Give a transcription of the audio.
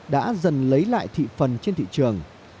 đã dần lấy lại thị phần trên thị trường